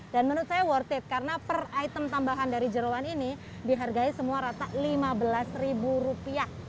dan menurut saya worth it karena per item tambahan dari jeruan ini dihargai semua rata lima belas ribu rupiah